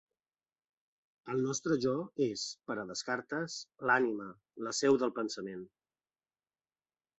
El nostre “jo” és, per a Descartes, l'ànima, la seu del pensament.